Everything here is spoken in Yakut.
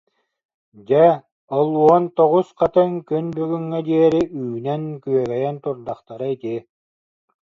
Дьэ ол уон тоҕус хатыҥ күн бүгүҥҥэ диэри үүнэн күөгэйэн турдахтара ити.